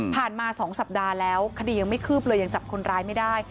มา๒สัปดาห์แล้วคดียังไม่คืบเลยยังจับคนร้ายไม่ได้